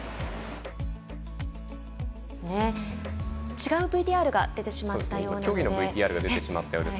違うＶＴＲが出てしまったようです。